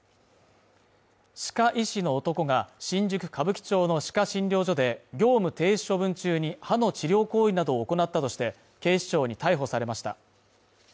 歯科医師の男が、新宿歌舞伎町の歯科診療所で業務停止処分中に歯の治療行為などを行ったとして警視庁に逮捕されました。